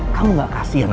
kamu gak kasian apa